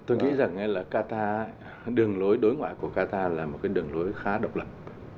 tôi nghĩ rằng là qatar đường lối đối ngoại của qatar là một cái đường lối khá độc lập